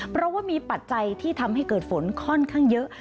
เพราะว่ามีปัจจัยที่ทำให้เกิดฝนค่อนข้างเยอะ